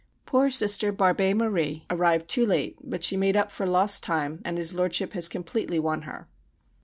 Poor Sister Barbe Marie arrived too late, but she made up for lost time and his Lordship has completely won her.